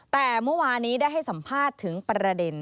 แต่เมื่อวานี้ได้ให้สัมภาษณ์ถึงประเด็น